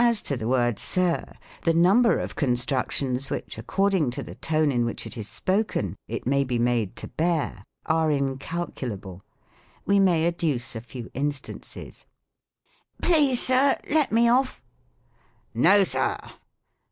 As to the word " Sir," the number of constructions which, according to the tone in which it is spoken, it may be made to bear, are incalculable. We may adduce a few instances. "Please, Sir, let me off." "No, Sir!"